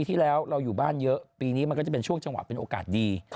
ที่แล้วเราอยู่บ้านเยอะปีนี้มันก็จะเป็นช่วงจังหวะเป็นโอกาสดี